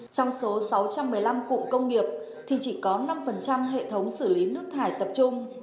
trong số sáu trăm một mươi năm cụm công nghiệp thì chỉ có năm hệ thống xử lý nước thải tập trung